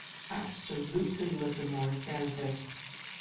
Absolutely loved the Morris dancers!